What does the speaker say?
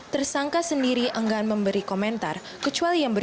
tersangka sendiri enggan memberi komentar